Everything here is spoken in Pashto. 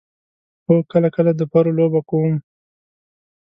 هو، کله کله د پرو لوبه کوم